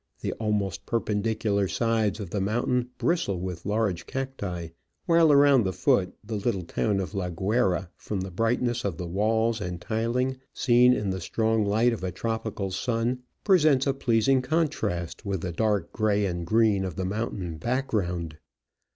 The almost perpendicular sides of the mountain bristle with large cacti, while around the foot the little town of La Guayra, from the brightness of the walls and tiling seen in the strong light of a tropical sun, presents a pleasing contrast with the dark grey and green of the mountain background.